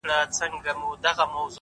• چي توري څڼي پرې راوځړوې؛